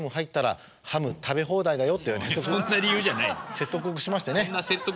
説得しましてね。